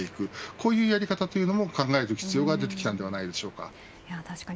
こういうやり方も考える必要が出てきたのではないでしょうか。